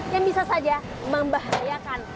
yang bisa saja membahayakan